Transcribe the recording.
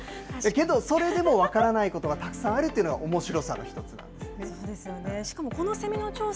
けど、それでも分からないことがたくさんあるというのがおもしろさの一つなんです。